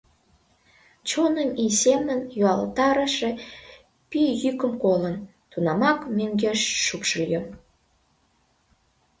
Чоным ий семын юалтарыше пий йӱкым колын, тунамак мӧҥгеш шупшыльо.